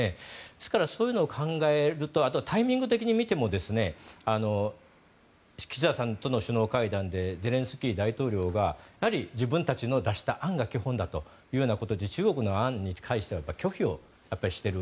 ですから、そういうのを考えるとあと、タイミング的に見ても岸田さんとの首脳会談でゼレンスキー大統領が自分たちの出した案が基本だということで中国の案に対しては拒否をしている。